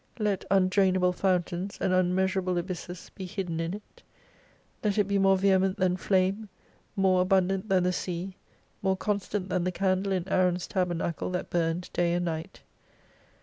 Let undrain able fountains, and unmeasurable abysses be hidden in it. Let it be more vehement than flame, more abundant than the sea, more constant than the candle in Aaron's tabernacle that burned day and night.